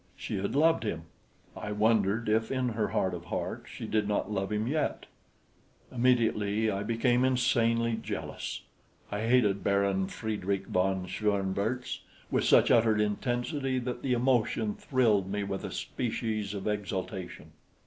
She had loved him! I wondered if in her heart of hearts she did not love him yet. Immediately I became insanely jealous. I hated Baron Friedrich von Schoenvorts with such utter intensity that the emotion thrilled me with a species of exaltation.